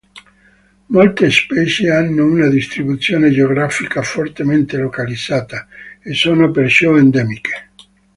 Molte specie hanno una distribuzione geografica fortemente localizzata e sono perciò endemiche.